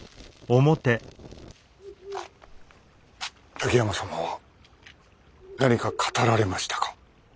滝山様は何か語られましたか？